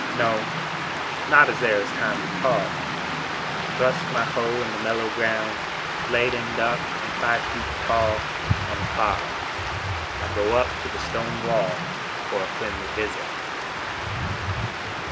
No, not as there is a time to talk. I thrust my hoe in the mellow ground, Blade end up and five feet tall, And plod: I go up to the stone wall For a friendly visit.